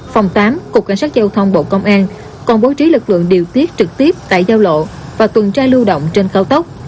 phòng tám cục cảnh sát giao thông bộ công an còn bố trí lực lượng điều tiết trực tiếp tại giao lộ và tuần tra lưu động trên cao tốc